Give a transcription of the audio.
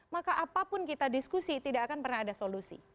maka apapun kita diskusi tidak akan pernah ada solusi